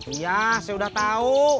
iya saya udah tau